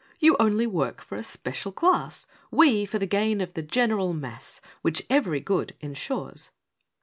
You only work for a Special Class, We for the gain of the General Mass, Which every good ensures!"